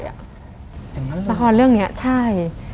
อย่างนั้นละครเรื่องนี้ใช่